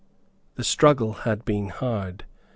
The struggle had been hard.